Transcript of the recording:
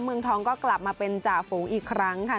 เมืองทองก็กลับมาเป็นจ่าฝูงอีกครั้งค่ะ